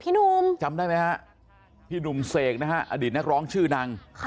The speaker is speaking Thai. หนุ่มจำได้ไหมฮะพี่หนุ่มเสกนะฮะอดีตนักร้องชื่อดัง